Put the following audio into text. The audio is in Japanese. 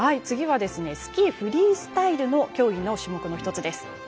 次はスキー・フリースタイルの競技の種目の１つです。